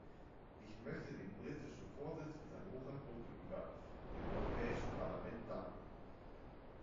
Ich möchte dem britischen Vorsitz für seine Hochachtung gegenüber dem Europäischen Parlament danken.